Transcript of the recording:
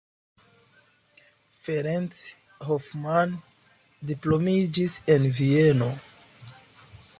Ferenc Hoffmann diplomiĝis en Vieno.